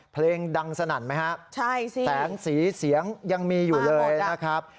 เพลงดังสนั่นไหมฮะใช่สิแสงสีเสียงยังมีอยู่เลยนะครับ